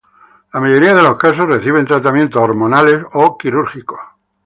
La mayoría de los casos reciben tratamientos Hormonales o quirúrgicos.